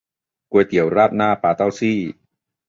ก๋วยเตี๋ยวราดหน้าปลาเต้าซี่